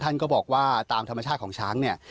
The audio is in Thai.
ก็บอกว่าตามธรรมชาติของช้างเนี่ย